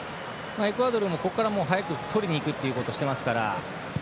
エクアドルも早くとりにいくということをしていますから。